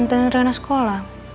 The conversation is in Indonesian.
ngajar sekalian nanti rina sekolah